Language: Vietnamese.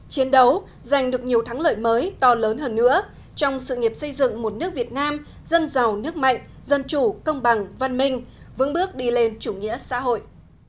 chiến đấu giành được nhiều thắng lợi mới to lớn hơn nữa trong sự nghiệp xây dựng một nước việt nam dân giàu nước mạnh dân chủ công bằng văn minh vững bước đi lên chủ nghĩa xã hội